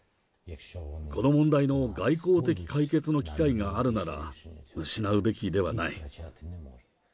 この問題の外交的解決の機会があるなら、失うべきではない。